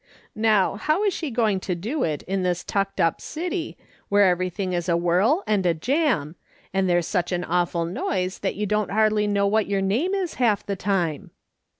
Xow, how is she going to do it in this tucked up city, where everything is a whirl and a jam, and there's such an awful noise that you don't hardly know what your name is half the time